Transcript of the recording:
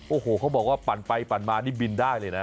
โอ้โหเขาบอกว่าปั่นไปปั่นมานี่บินได้เลยนะ